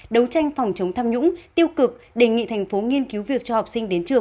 đấu tranh phòng chống tham nhũng tiêu cực đề nghị thành phố nghiên cứu việc cho học sinh đến trường